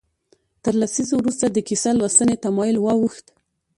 تر لسیزو وروسته د کیسه لوستنې تمایل واوښت.